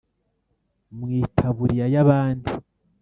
mwitaburiya yabandi.